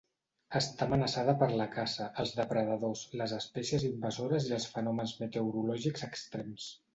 Està amenaçada per la caça, els depredadors, les espècies invasores i els fenòmens meteorològics extrems.